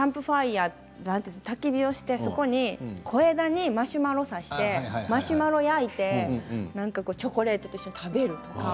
向こうならではのがあってたき火をして小枝にマシュマロを刺してマシュマロを焼いてチョコレートと一緒に食べるとか。